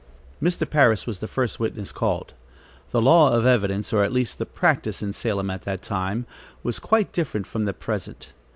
Mr. Parris was the first witness called. The law of evidence, or at least the practice in Salem at that time, was quite different from the present.